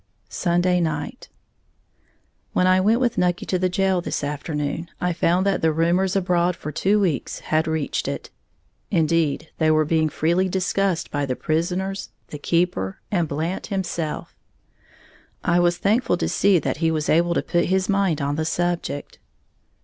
Sunday Night. When I went with Nucky to the jail this afternoon, I found that the rumors abroad for two weeks had reached it, indeed, they were being freely discussed by the prisoners, the keeper and Blant himself, I was thankful to see that he was able to put his mind on the subject.